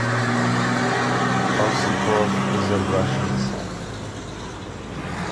Osipov is of Russian descent.